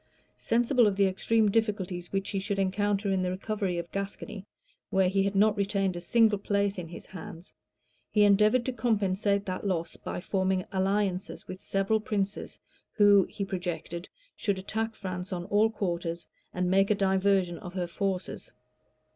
Sensible of the extreme difficulties which he should encounter in the recovery of Gascony, where he had not retained a single place in his hands, he endeavored to compensate that loss by forming alliances with several princes, who, he projected, should attack France on all quarters, and make a diversion of her forces.